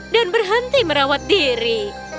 dan berhenti merawat diri